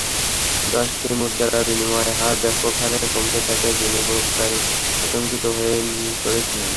দেশটির মুদ্রার বিনিময় হার ব্যাপক হারে কমতে থাকায় বিনিয়োগকারীরা আতঙ্কিত হয়ে পড়েছিলেন।